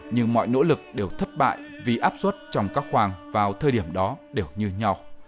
nhưng mọi nỗ lực đều thất bại vì áp suất trong các khoang vào thời điểm đó đều như nhau